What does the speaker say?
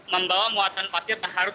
membawa muatan pasir harus